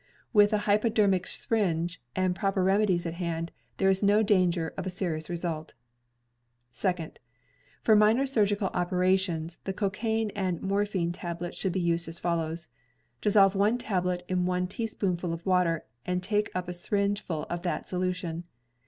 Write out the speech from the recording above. With a hypodermic syringe and proper remedies at hand, there is no danger of a serious result. 320 CAMPING AND WOODCRAFT SECOND — For minor surgical operations the cocain and morphin tablet should be used as follows: Dissolve one tablet in one teaspoonful of water and take up a syringeful of the solution.